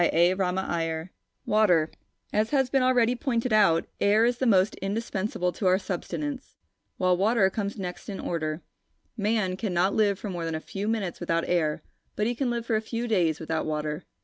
CHAPTER IV WATER As has been already pointed out, air is the most indispensable to our subsistence, while water comes next in order. Man cannot live for more than a few minutes without air, but he can live for a few days without water.